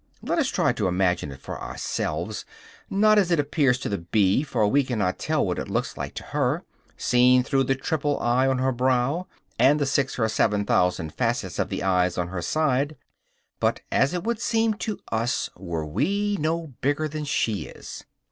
Let us try to imagine it for ourselves not as it appears to the bee, for we cannot tell what it looks like to her, seen through the triple eye on her brow and the six or seven thousand facets of the eyes on her side but as it would seem to us, were we no bigger than she is.